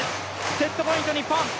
セットポイント、日本！